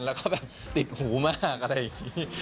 แล้วก็แบบติดหูมากอะไรอย่างนี้